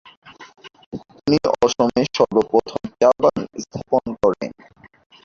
তিনি অসমে সর্বপ্রথম চা-বাগান স্থাপন করেন।